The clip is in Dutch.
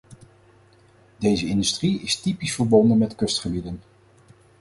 Deze industrie is typisch verbonden met kustgebieden.